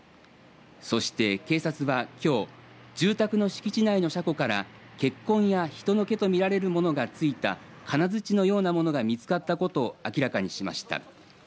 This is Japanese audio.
そして、警察はきょう住宅の敷地内の車庫から血痕や人の毛と見られるものが付いた金づちのようなものが見つかったことを明らかにしました。